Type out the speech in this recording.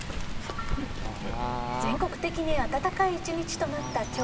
全国的に暖かい１日となった今日。